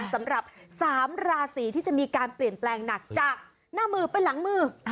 สำหรับ๓ราศีที่จะมีการเปลี่ยนแปลงหนักจากหน้ามือไปหลังมือ